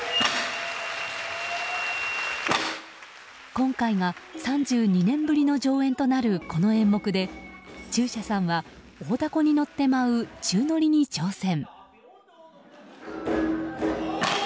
今回が３２年ぶりの上演となるこの演目で中車さんは大だこに乗って舞う宙乗りに挑戦。